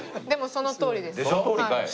そのとおりかい！